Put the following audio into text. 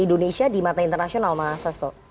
indonesia di mata internasional mas hasto